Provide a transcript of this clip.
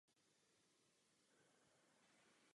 Původně měl řád jen jeden stupeň.